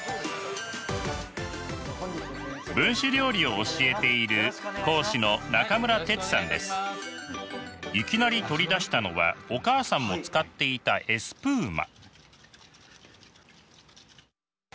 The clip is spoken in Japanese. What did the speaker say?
分子料理を教えているいきなり取り出したのはお母さんも使っていたエスプーマ。